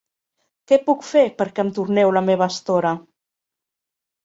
Què puc fer perquè em torneu la meva estora?